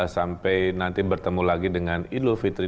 sampai nanti bertemu lagi dengan idul fitri